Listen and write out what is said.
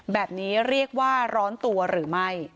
แบบนี้เรียกว่าร้อนตัวหรือไม่